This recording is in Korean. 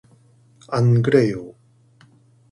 안 그래요.